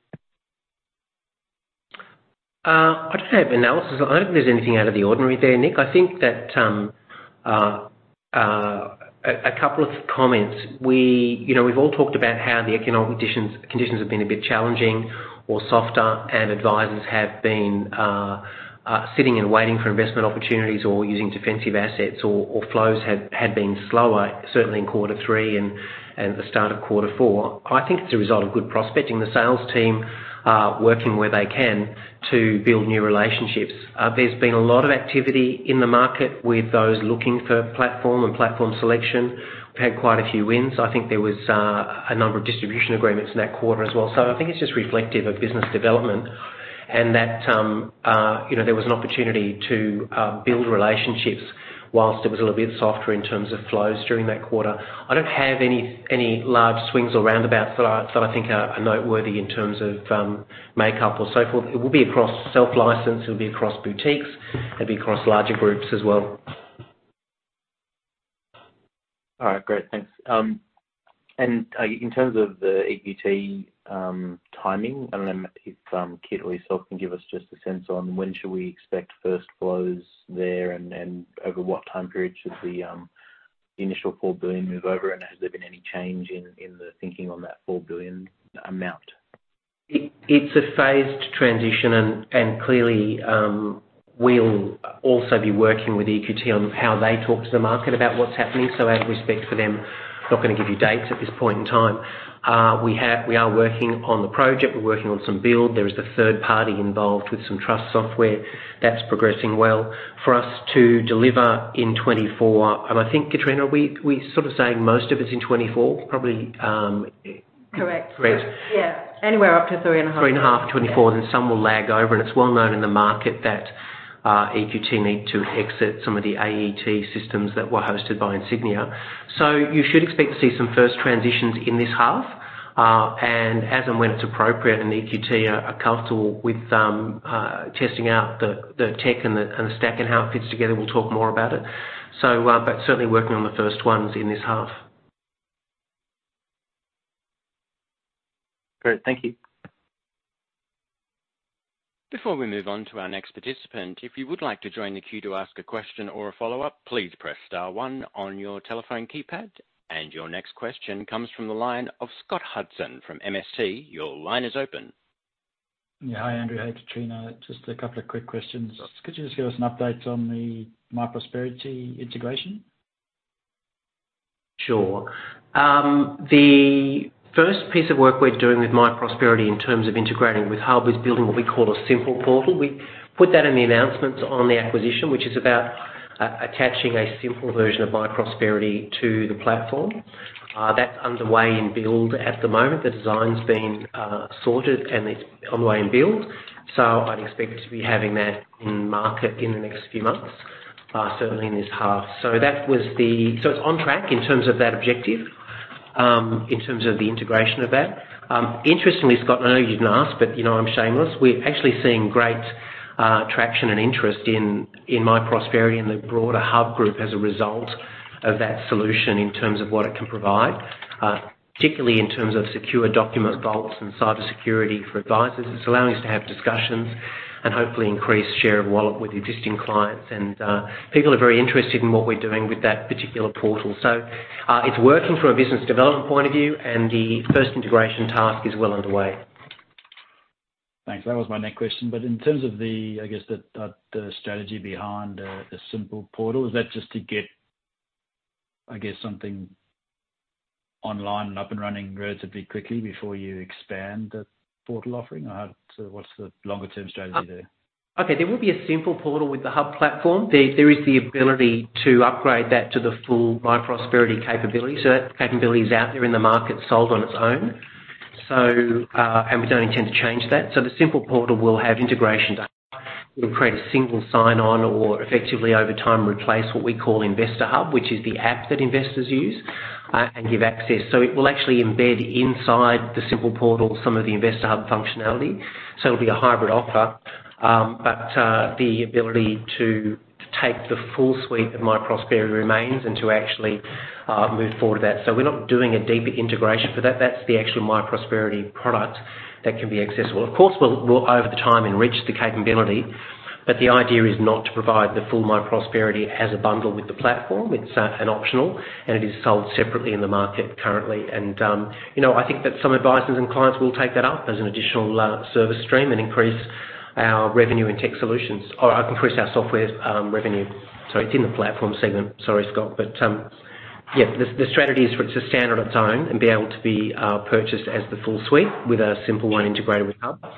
I don't have analysis. I don't think there's anything out of the ordinary there, Nick. I think that, a couple of comments. We, you know, we've all talked about how the economic conditions, conditions have been a bit challenging or softer, and advisors have been sitting and waiting for investment opportunities or using defensive assets, or, or flows have, had been slower, certainly in quarter 3 and the start of quarter 4. I think it's a result of good prospecting, the sales team, working where they can to build new relationships. There's been a lot of activity in the market with those looking for platform and platform selection. We've had quite a few wins. I think there was a number of distribution agreements in that quarter as well. I think it's just reflective of business development, and that, you know, there was an opportunity to build relationships whilst it was a little bit softer in terms of flows during that quarter. I don't have any, any large swings or roundabouts that I, that I think are, are noteworthy in terms of makeup or so forth. It will be across self-license, it'll be across boutiques, it'll be across larger groups as well. All right, great. Thanks. In terms of the EQT timing, I don't know if Kate or yourself can give us just a sense on when should we expect first flows there, and over what time period should the initial 4 billion move over, and has there been any change in the thinking on that 4 billion amount? It, it's a phased transition, and clearly, we'll also be working with EQT on how they talk to the market about what's happening. Out of respect for them, not gonna give you dates at this point in time. We are working on the project, we're working on some build. There is a third party involved with some trust software. That's progressing well. For us to deliver in 2024. I think, Kitrina, we, we sort of saying most of it's in 2024, probably. Correct. Great. Yeah, anywhere up to three and a half. 3.5, 24. Some will lag over. It's well known in the market that EQT need to exit some of the AET systems that were hosted by Insignia. You should expect to see some first transitions in this half. As and when it's appropriate, EQT are comfortable with testing out the tech and the stack and how it fits together, we'll talk more about it. Certainly working on the first ones in this half. Great, thank you. Before we move on to our next participant, if you would like to join the queue to ask a question or a follow-up, please press star 1 on your telephone keypad. Your next question comes from the line of Scott Hudson from MSC. Your line is open. Yeah. Hi, Andrew. Hey, Kitrina. Just a couple of quick questions. Could you just give us an update on the Myprosperity integration? Sure. The first piece of work we're doing with Myprosperity in terms of integrating with HUB is building what we call a simple portal. We put that in the announcements on the acquisition, which is about attaching a simple version of Myprosperity to the platform. That's underway in build at the moment. The design's been sorted, and it's underway in build, so I'd expect to be having that in market in the next few months, certainly in this half. That was the so it's on track in terms of that objective, in terms of the integration of that. Interestingly, Scott, I know you didn't ask, but, you know I'm shameless. We're actually seeing great traction and interest in, in Myprosperity and the broader HUB24 group as a result of that solution in terms of what it can provide, particularly in terms of secure document vaults and cybersecurity for advisors. It's allowing us to have discussions and hopefully increase share of wallet with existing clients, and people are very interested in what we're doing with that particular portal. So, it's working from a business development point of view, and the first integration task is well underway. Thanks. That was my next question, but in terms of the, I guess, the strategy behind the simple portal, is that just to get, I guess, something online and up and running relatively quickly before you expand the portal offering, or how, so what's the longer term strategy there? Okay. There will be a simple portal with the HUB platform. There, there is the ability to upgrade that to the full Myprosperity capability, so that capability is out there in the market, sold on its own. We don't intend to change that. The simple portal will have integration, it'll create a single sign-on or effectively, over time, replace what we call InvestorHUB, which is the app that investors use, and give access. It will actually embed inside the simple portal, some of the InvestorHUB functionality, so it'll be a hybrid offer. The ability to, to take the full suite of Myprosperity remains and to actually, move forward with that. We're not doing a deeper integration for that. That's the actual Myprosperity product that can be accessible. Of course, we'll, we'll, over the time, enrich the capability, but the idea is not to provide the full Myprosperity as a bundle with the platform. It's an optional, and it is sold separately in the market currently. You know, I think that some advisors and clients will take that up as an additional service stream and increase our revenue in tech solutions or increase our software's revenue. It's in the platform segment. Sorry, Scott, but, yeah, the strategy is for it to stand on its own and be able to be purchased as the full suite with a simple one integrated with HUB24.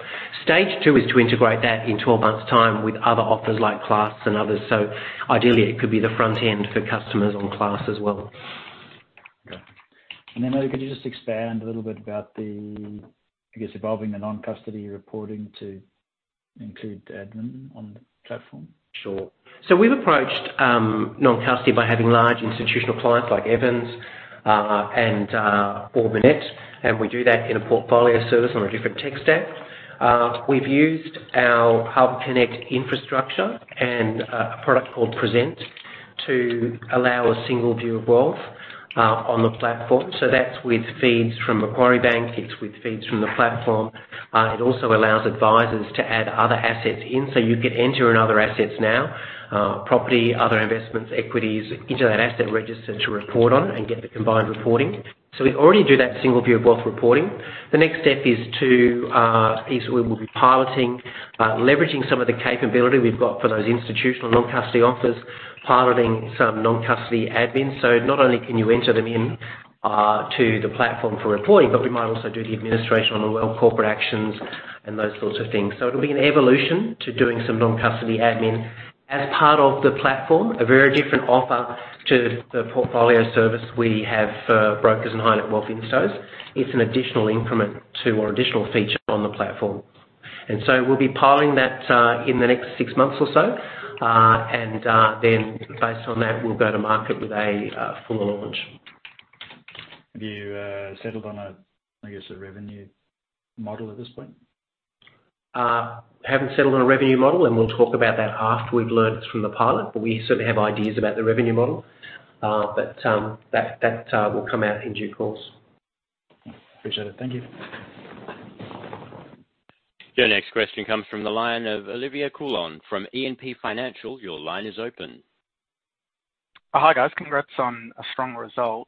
Stage two is to integrate that in 12 months' time with other offers like Class and others. Ideally, it could be the front end for customers on Class as well. Okay. Then could you just expand a little bit about the, I guess, evolving the non-custody reporting to include admin on the platform? Sure. We've approached non-custody by having large institutional clients like Evans and Ord Minnett, and we do that in a portfolio service on a different tech stack. We've used our HUBconnect infrastructure and a product called Present to allow a single view of wealth. on the platform. That's with feeds from Macquarie Bank, it's with feeds from the platform. It also allows advisors to add other assets in, so you could enter in other assets now, property, other investments, equities, into that asset register to report on and get the combined reporting. We already do that single view of wealth reporting. The next step is to is we will be piloting leveraging some of the capability we've got for those institutional non-custody offers, piloting some non-custody admin. Not only can you enter them in to the platform for reporting, but we might also do the administration on the well, corporate actions and those sorts of things. It'll be an evolution to doing some non-custody admin. As part of the platform, a very different offer to the portfolio service we have for brokers and high net wealth instos. It's an additional increment to, or additional feature on the platform. We'll be piloting that in the next six months or so, and then based on that, we'll go to market with a full launch. Have you, settled on a, I guess, a revenue model at this point? Haven't settled on a revenue model, and we'll talk about that after we've learned from the pilot, but we certainly have ideas about the revenue model. That, that, will come out in due course. Appreciate it. Thank you. Your next question comes from the line of Olivia Coulton from E&P Financial. Your line is open. Hi, guys. Congrats on a strong result.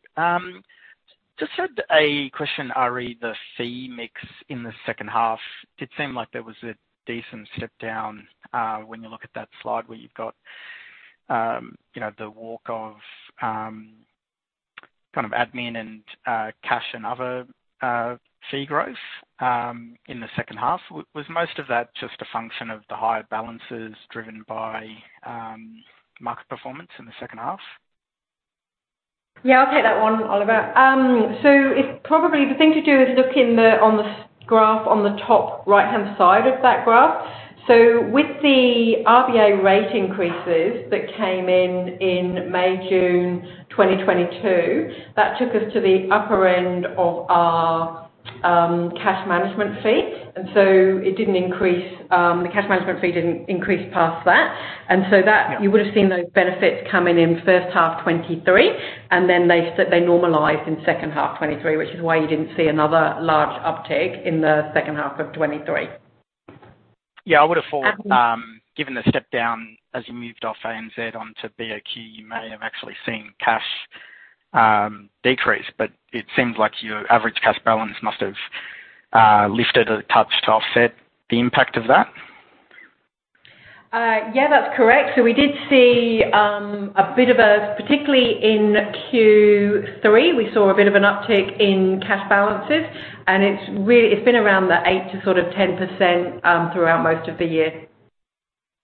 Just had a question re: the fee mix in the second half. It seemed like there was a decent step down, when you look at that slide where you've got, you know, the walk of, kind of admin and, cash and other, fee growth, in the second half. Was most of that just a function of the higher balances driven by, market performance in the second half? Yeah, I'll take that one, Olivia. It's probably the thing to do is look in the, on the graph, on the top right-hand side of that graph. With the RBA rate increases that came in in May, June 2022, that took us to the upper end of our cash management fees. It didn't increase. The cash management fee didn't increase past that. Yeah. You would have seen those benefits coming in first half 2023, and then they normalized in second half 2023, which is why you didn't see another large uptake in the second half of 2023. Yeah, I would have thought- Um- given the step down as you moved off ANZ onto BOQ, you may have actually seen cash decrease, but it seems like your average cash balance must have lifted a touch to offset the impact of that. Yeah, that's correct. We did see a bit of a, particularly in Q3, we saw a bit of an uptick in cash balances, and it's really, it's been around the 8-10% throughout most of the year.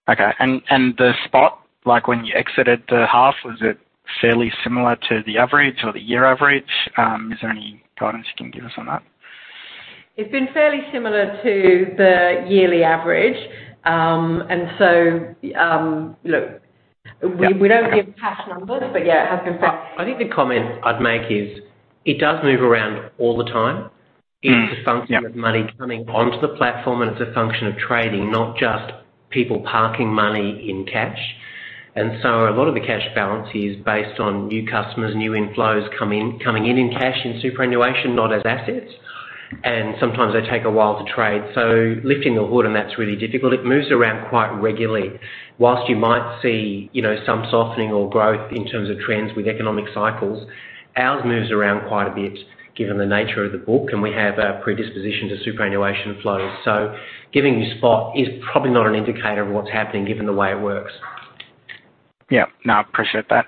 Okay. The spot, like when you exited the half, was it fairly similar to the average or the year average? Is there any guidance you can give us on that? It's been fairly similar to the yearly average. Look, we, we don't give cash numbers, but yeah, it has been fine. I think the comment I'd make is, it does move around all the time. Mm. Yeah. It's a function of money coming onto the platform, and it's a function of trading, not just people parking money in cash. A lot of the cash balance is based on new customers, new inflows come in, coming in in cash, in superannuation, not as assets. Sometimes they take a while to trade. Lifting the hood on that's really difficult. It moves around quite regularly. While you might see, you know, some softening or growth in terms of trends with economic cycles, ours moves around quite a bit given the nature of the book, and we have a predisposition to superannuation flows. Giving you spot is probably not an indicator of what's happening, given the way it works. Yeah. No, I appreciate that.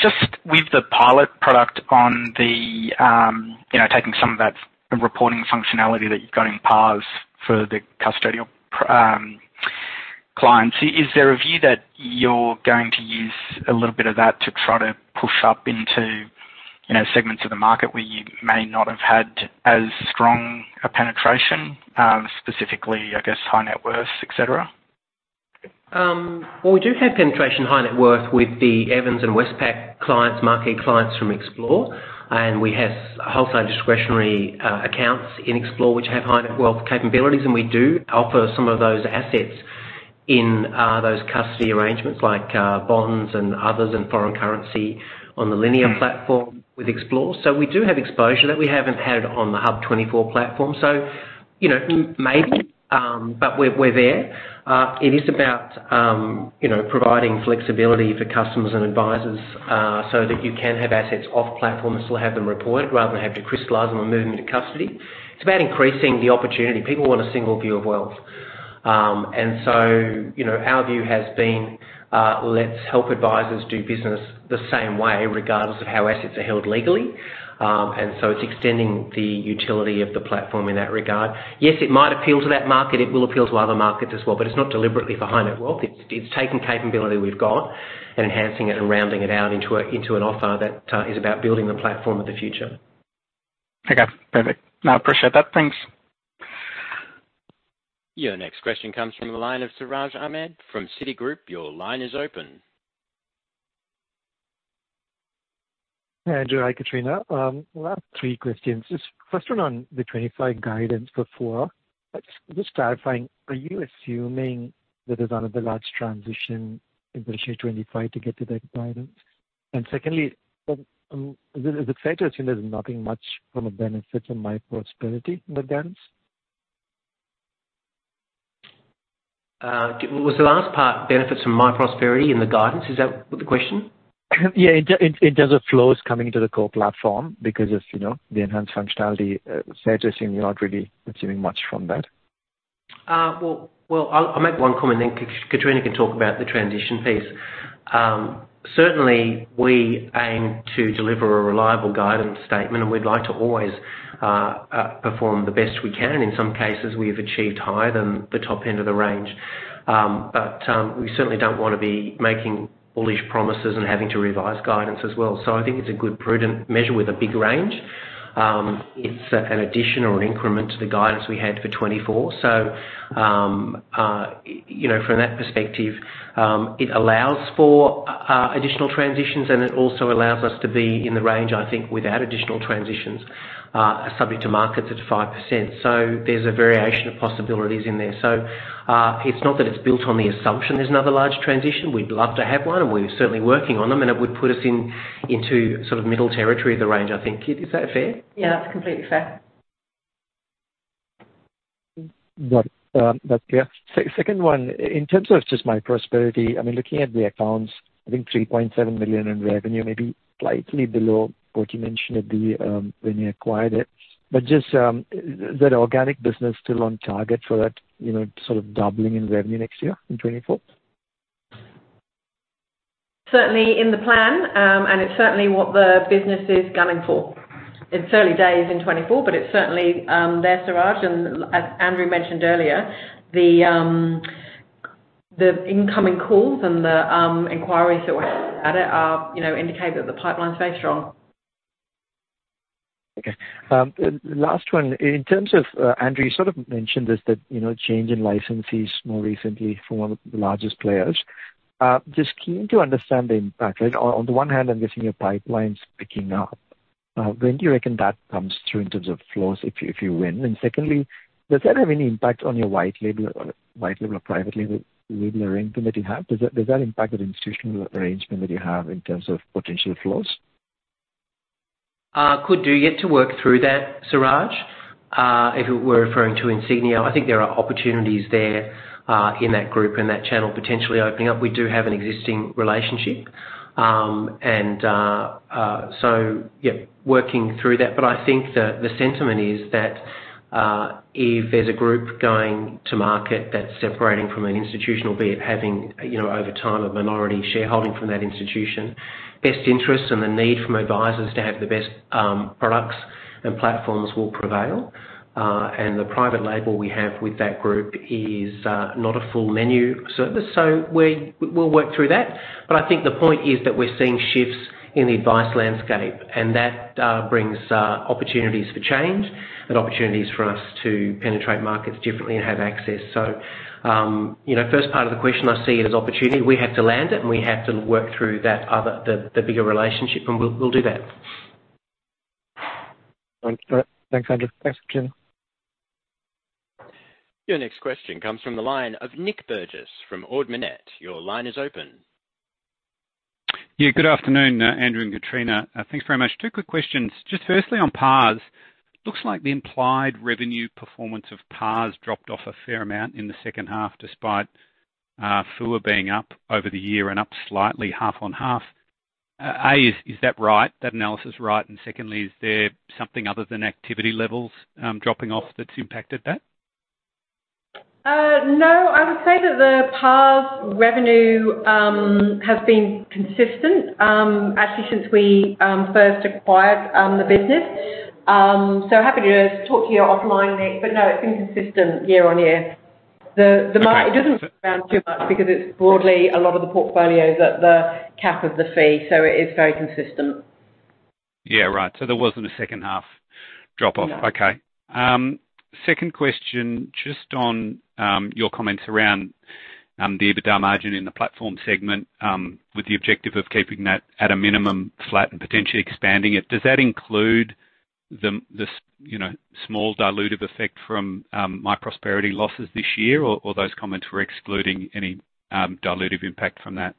Just with the pilot product on the, you know, taking some of that reporting functionality that you've got in PAS for the custodial, clients, is there a view that you're going to use a little bit of that to try to push up into, you know, segments of the market where you may not have had as strong a penetration, specifically, I guess, high net worth, et cetera? Well, we do have penetration high net worth with the Evans and Westpac clients, marquee clients from Xplore, and we have wholesale discretionary accounts in Xplore, which have high net worth capabilities, and we do offer some of those assets in those custody arrangements like bonds and others, and foreign currency on the Linear platform with Xplore. We do have exposure that we haven't had on the HUB24 platform. You know, maybe, but we're, we're there. It is about, you know, providing flexibility for customers and advisors, so that you can have assets off platform and still have them reported, rather than have to crystallize them and move them to custody. It's about increasing the opportunity. People want a single view of wealth. You know, our view has been, let's help advisers do business the same way, regardless of how assets are held legally. It's extending the utility of the platform in that regard. Yes, it might appeal to that market. It will appeal to other markets as well, but it's not deliberately for high net wealth. It's, it's taking capability we've got and enhancing it and rounding it out into a, into an offer that is about building the platform of the future. Okay, perfect. No, I appreciate that. Thanks. Your next question comes from the line of Siraj Ahmed from Citigroup. Your line is open. Hey, Andrew. Hi, Kitrina. Well, I have three questions. Just first one on the FY25 guidance for FY24? Just, just clarifying, are you assuming that there's another large transition in fiscal 25 to get to that guidance? Secondly, is it fair to assume there's nothing much from a benefit from Myprosperity in the guidance? Was the last part benefits from Myprosperity in the guidance? Is that the question? Yeah. In, in, in terms of flows coming into the core platform because of, you know, the enhanced functionality, servicing, you're not really receiving much from that. Well, well, I'll, I'll make one comment, then Kitrina can talk about the transition piece. Certainly we aim to deliver a reliable guidance statement, and we'd like to always perform the best we can. In some cases, we've achieved higher than the top end of the range. We certainly don't want to be making bullish promises and having to revise guidance as well. I think it's a good, prudent measure with a big range. It's an addition or an increment to the guidance we had for 2024. You know, from that perspective, it allows for additional transitions, and it also allows us to be in the range, I think, without additional transitions, subject to markets at 5%. There's a variation of possibilities in there. It's not that it's built on the assumption there's another large transition. We'd love to have one, and we're certainly working on them, and it would put us in, into sort of middle territory of the range, I think. Is that fair? Yeah, that's completely fair. Got it. That's clear. Second one, in terms of just Myprosperity, I mean, looking at the accounts, I think 3.7 million in revenue, maybe slightly below what you mentioned at the, when you acquired it. Just, is that organic business still on target for that, you know, sort of doubling in revenue next year, in 2024? Certainly in the plan, and it's certainly what the business is gunning for. It's early days in 2024, but it's certainly there, Siraj. As Andrew mentioned earlier, the incoming calls and the inquiries that were at it are, you know, indicate that the pipeline's very strong. Okay. The last one, in terms of, Andrew, you sort of mentioned this, that, you know, change in licensees more recently for one of the largest players. Just keen to understand the impact, right? On, on the one hand, I'm guessing your pipeline's picking up. When do you reckon that comes through in terms of flows, if you, if you win? Secondly, does that have any impact on your white label, white label or private label arrangement that you have? Does that, does that impact the institutional arrangement that you have in terms of potential flows? Could do. Yet to work through that, Siraj. If we're referring to Insignia, I think there are opportunities there, in that group, and that channel potentially opening up. We do have an existing relationship, and so yeah, working through that. I think the, the sentiment is that if there's a group going to market that's separating from an institution, albeit having, you know, over time, a minority shareholding from that institution, best interests and the need from advisors to have the best products and platforms will prevail. The private label we have with that group is not a full menu service, so we-we'll work through that. I think the point is that we're seeing shifts in the advice landscape, and that brings opportunities for change and opportunities for us to penetrate markets differently and have access. You know, first part of the question, I see it as opportunity. We have to land it, and we have to work through that other, the, the bigger relationship, and we'll, we'll do that. Thanks. All right. Thanks, Andrew. Thanks, Catriona. Your next question comes from the line of Nic Burgess from Ord Minnett. Your line is open. Yeah, good afternoon, Andrew and Catriona. Thanks very much. Two quick questions. Just firstly, on PARs, looks like the implied revenue performance of PARs dropped off a fair amount in the second half, despite, FUA being up over the year and up slightly half on half. A, is, is that right? That analysis right? Secondly, is there something other than activity levels, dropping off that's impacted that? No. I would say that the PARS revenue has been consistent, actually, since we first acquired the business. Happy to talk to you offline, Nic, but no, it's been consistent year-on-year. The market doesn't move around too much because it's broadly a lot of the portfolios at the cap of the fee, so it is very consistent. Yeah, right. There wasn't a second half drop off? No. Okay. Second question, just on, your comments around, the EBITDA margin in the platform segment, with the objective of keeping that at a minimum flat and potentially expanding it. Does that include the, the, you know, small dilutive effect from, Myprosperity losses this year, or, or those comments were excluding any, dilutive impact from that?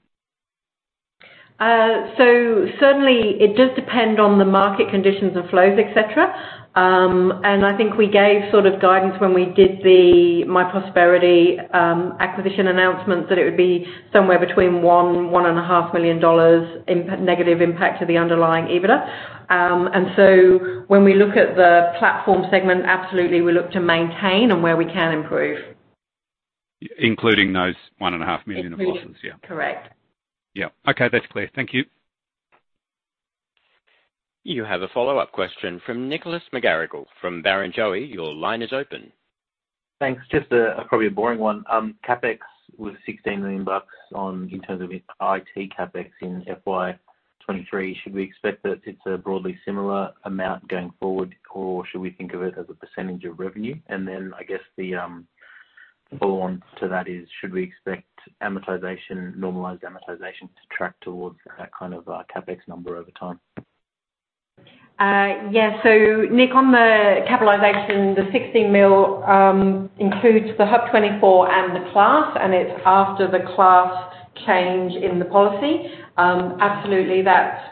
Certainly it does depend on the market conditions and flows, et cetera. I think we gave sort of guidance when we did the Myprosperity acquisition announcement, that it would be somewhere between 1 million-1.5 million dollars negative impact to the underlying EBITDA. When we look at the platform segment, absolutely, we look to maintain and where we can improve. Including those 1.5 million of losses? Including. Yeah. Correct. Yeah. Okay, that's clear. Thank you. You have a follow-up question from Nicholas McGarrigle, from Barrenjoey. Your line is open. Thanks. Just a, probably a boring one. CapEx was 16 million bucks in terms of IT CapEx in FY23. Should we expect that it's a broadly similar amount going forward, or should we think of it as a percentage of revenue? Then I guess the follow-on to that is, should we expect amortization, normalized amortization to track towards that kind of CapEx number over time? Yeah. Nic, on the capitalization, the 16 million includes the HUB24 and the Class, and it's after the Class change in the policy. Absolutely, that's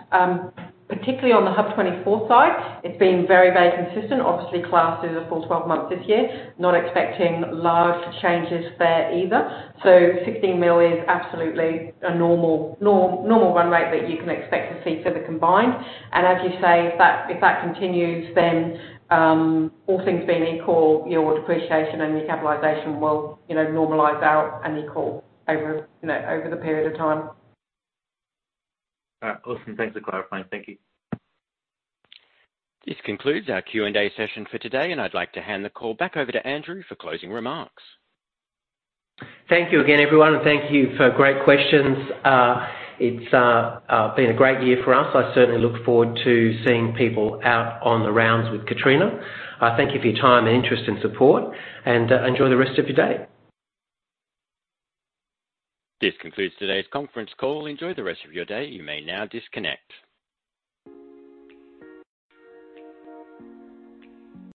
particularly on the HUB24 side, it's been very, very consistent. Obviously, Class are a full 12 months this year, not expecting large changes there either. 16 million is absolutely a normal, normal run rate that you can expect to see for the combined. And as you say, if that, if that continues, then all things being equal, your depreciation and your capitalization will, you know, normalize out and equal over, you know, over the period of time. All right. Awesome. Thanks for clarifying. Thank you. This concludes our Q&A session for today, and I'd like to hand the call back over to Andrew for closing remarks. Thank you again, everyone. Thank you for great questions. It's been a great year for us. I certainly look forward to seeing people out on the rounds with Catriona. Thank you for your time and interest and support. Enjoy the rest of your day. This concludes today's conference call. Enjoy the rest of your day. You may now disconnect.